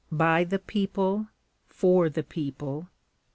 . .by the people. . .for the people.